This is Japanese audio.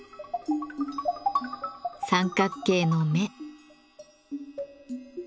三角形の目。